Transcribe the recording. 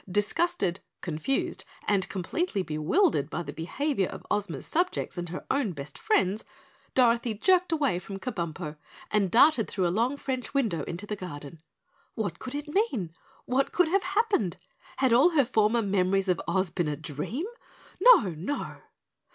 Disgusted, confused and completely bewildered by the behavior of Ozma's subjects and her own best friends, Dorothy jerked away from Kabumpo and darted through a long French window into the garden. What could it mean? What could have happened? Had all her former memories of Oz been a dream? No, no!